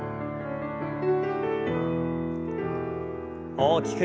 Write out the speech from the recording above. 大きく。